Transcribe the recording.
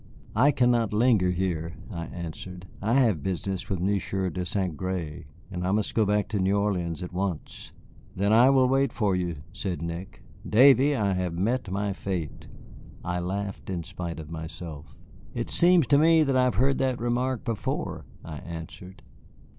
"I cannot linger here," I answered; "I have business with Monsieur de Saint Gré, and I must go back to New Orleans at once." "Then I will wait for you," said Nick. "Davy, I have met my fate." I laughed in spite of myself. "It seems to me that I have heard that remark before," I answered.